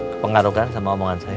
kepengaruhkan sama omongan saya